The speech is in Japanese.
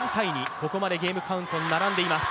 ここまでゲームカウント並んでいます。